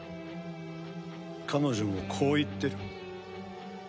彼女もこう言ってる。